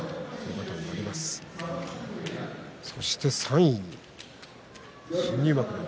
そして３位に新入幕伯